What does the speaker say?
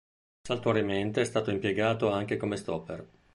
Saltuariamente è stato impiegato anche come stopper.